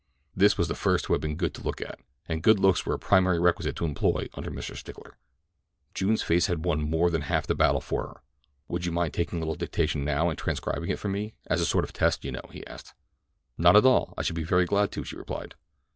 This was the first who had been good to look at; and good looks were a primary requisite to employment under Mr. Stickler. June's face had won more than half the battle for her. "Would you mind taking a little dictation now and transcribing it for me, as a sort of test, you know?" he asked. "Not at all; I should be very glad to," she replied.